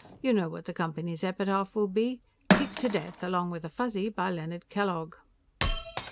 You know what the Company's epitaph will be? _Kicked to death, along with a Fuzzy, by Leonard Kellogg.